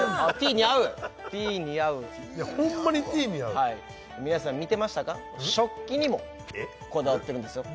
ティーに合うホンマにティーに合う皆さん見てましたか食器にもこだわってるんですよ